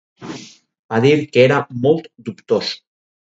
Va dir que era molt dubtós.